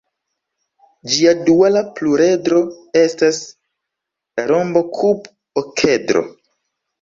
Ĝia duala pluredro estas la rombokub-okedro.